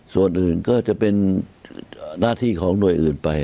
ส่วนอื่นก็จะเป็นหน้าที่ของหน่วยอื่นไป